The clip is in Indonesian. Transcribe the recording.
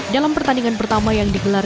dalam pertandingan pertama yang digelar